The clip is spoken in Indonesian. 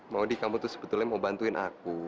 maudie kamu itu sebetulnya mau bantuin aku